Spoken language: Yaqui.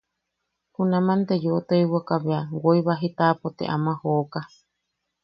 Junaman te yeu tojiwaka bea woi baji taʼapo te ama joka.